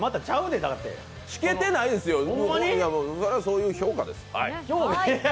しけてないですよ、そういう評価です。